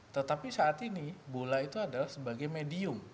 tetapi saat ini bola itu adalah sebagai medium